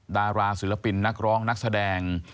ดาราศิลปินนักร้องนักแสดง